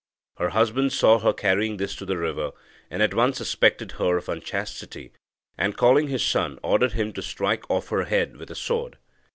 Her husband saw her carrying this to the river, and at once suspected her of unchastity, and, calling his son, ordered him to strike off her head with a sword.